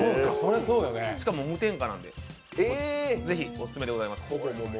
しかも無添加なんで、ぜひオススメでございます。